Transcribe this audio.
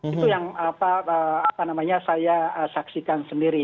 itu yang apa namanya saya saksikan sendiri